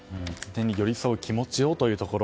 寄り添う気持ちというところ。